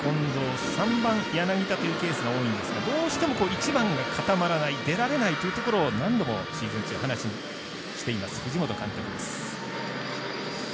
２番、近藤３番、柳田というケースが多んですが１番が固まらない出られないということを今シーズン話しています藤本監督です。